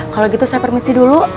kalau gitu saya permisi dulu